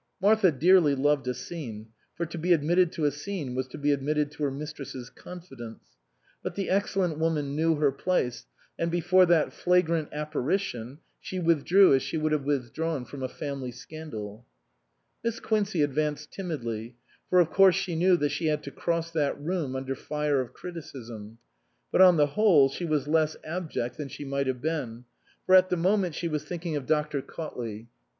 Martha dearly loved a scene, for to be admitted to a scene was to be admitted to her mistress's confidence ; but the excellent woman knew her place, and before that flagrant apparition she withdrew as she would have withdrawn from a family scandal. Miss Quincey advanced timidly, for of course she knew that she had to cross that room under fire of criticism ; but on the whole she was less abject than she might have been, for at the moment she was thinking of Dr. Caut T.S.Q. 257 s SUPERSEDED ley.